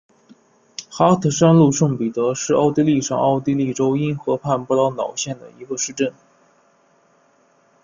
哈特山麓圣彼得是奥地利上奥地利州因河畔布劳瑙县的一个市镇。